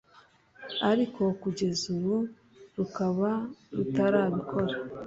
ariko kugeza ubu rukaba rutarabikora